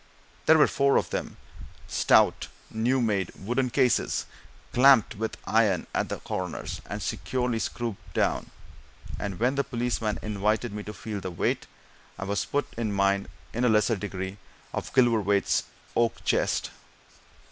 There were four of them stout, new made wooden cases, clamped with iron at the corners, and securely screwed down; and when the policemen invited me to feel the weight, I was put in mind, in a lesser degree, of Gilverthwaite's oak chest.